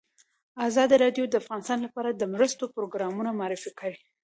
ازادي راډیو د اقتصاد لپاره د مرستو پروګرامونه معرفي کړي.